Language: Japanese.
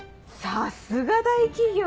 さっすが大企業！